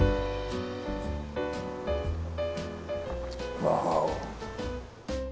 うわ。